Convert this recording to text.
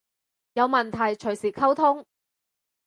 有問題隨時溝通